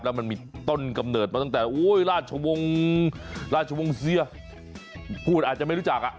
แล้วมันมีต้นกำเนิดมาตั้งแต่ราชวงศ์ราชวงศ์เสียพูดอาจจะไม่รู้จักอ่ะ